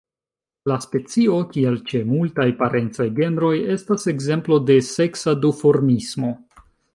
La specio, kiel ĉe multaj parencaj genroj, estas ekzemplo de seksa duformismo.